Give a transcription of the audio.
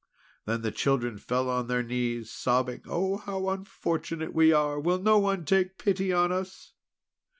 Then the children fell on their knees sobbing: "Oh, how unfortunate we are! Will no one take pity on us!"